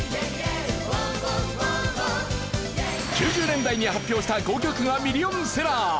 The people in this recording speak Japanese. ９０年代に発表した５曲がミリオンセラー。